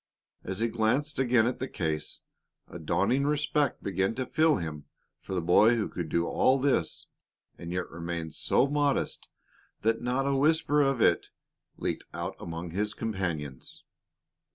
As he glanced again at the case, a dawning respect began to fill him for the boy who could do all this and yet remain so modest that not a whisper of it leaked out among his companions.